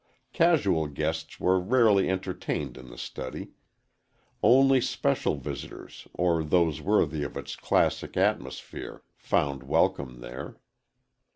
Casual guests were rarely entertained in the study. Only especial visitors or those worthy of its classic atmosphere found welcome there.